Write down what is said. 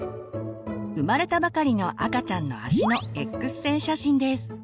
生まれたばかりの赤ちゃんの足のＸ線写真です。